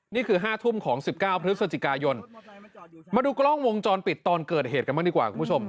นี่คือ๕ทุ่มของ๑๙พฤศจิกายนมาดูกล้องวงจรปิดตอนเกิดเหตุกันบ้างดีกว่าคุณผู้ชม